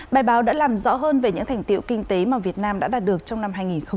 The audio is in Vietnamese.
bài báo đã làm rõ hơn về những thành tiệu kinh tế mà việt nam đã đạt được trong năm hai nghìn hai mươi